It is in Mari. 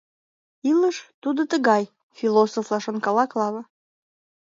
«Илыш — тудо тыгай... — философла шонкала Клава.